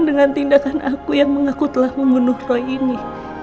dengan tindakan aku yang mengaku telah membunuh roy ini